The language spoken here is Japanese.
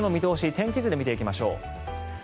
天気図で見ていきましょう。